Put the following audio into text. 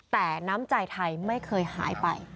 แต่น้ำใจไทยไม่เคยหายไป